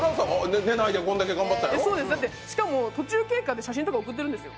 しかも途中経過で写真とか送ってるんですよ